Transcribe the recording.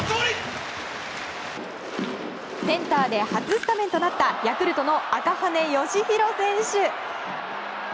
センターで初スタメンとなったヤクルトの赤羽由紘選手。